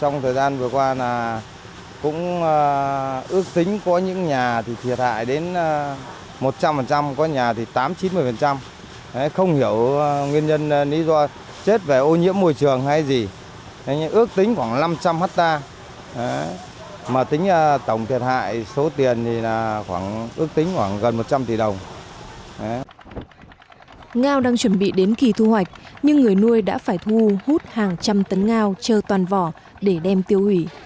ngao đang chuẩn bị đến kỳ thu hoạch nhưng người nuôi đã phải thu hút hàng trăm tấn ngao chơ toàn vỏ để đem tiêu ủy